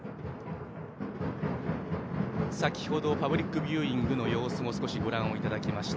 先ほどパブリックビューイングの様子も少しご覧いただきました。